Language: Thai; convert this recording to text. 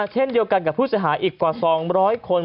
เช่นเดียวกันกับผู้เสียหายอีกกว่า๒๐๐คน